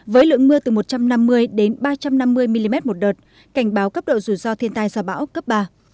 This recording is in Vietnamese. với lượng mưa từ một trăm năm mươi đến ba trăm năm mươi mm một đợt cảnh báo cấp độ rủi ro thiên tai do bão cấp ba